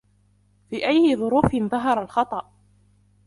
في أي ظروف ظهر الخطأ ؟